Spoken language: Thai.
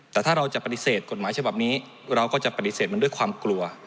แต่ถ้าเราจะปฏิเสธกฎหมายฉบับนี้เราก็จะปฏิเสธมันด้วยความกลัว